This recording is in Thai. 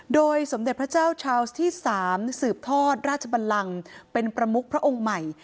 โดยสมเด็จพระเจ้าชาวส์ที่๓สืบทอดราชบันลังเป็นประมุกพระองค์ใหม่